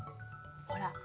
ほら。